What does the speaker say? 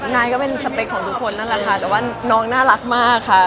นายก็เป็นสเปคของทุกคนนั่นแหละค่ะแต่ว่าน้องน่ารักมากค่ะ